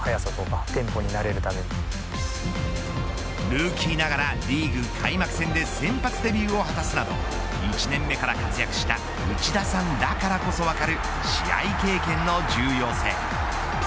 ルーキーながらリーグ開幕戦で先発デビューを果たすなど１年目から活躍した内田さんだからこそ分かる試合経験の重要性。